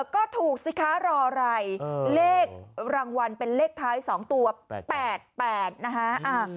ก็ถูกสิคะรออะไรเลขรางวัลเป็นเลขท้าย๒ตัว๘๘นะคะ